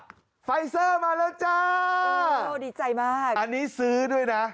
ไฟเซอร์มาแล้วจ้าโอ้ดีใจมากอันนี้ซื้อด้วยนะ